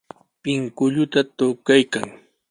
Pinkulluta tukaykan.